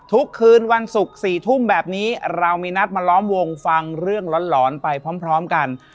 ทุกคืนวันศุกร์๔ทุ่มแบบนี้เรามีนัดมาล้อมวงฟังเรื่องหลอนไปพร้อมกัน